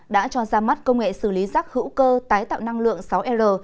đã cho ra mắt công nghệ xử lý rác hữu cơ tái tạo năng lượng sáu r